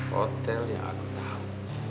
hotel yang aku tahu